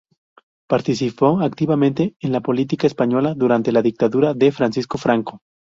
Participó activamente en la política española durante la dictadura de Francisco Franco.